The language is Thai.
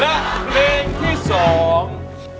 และเพลงที่สอง